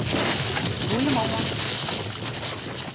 Goeiemoarn!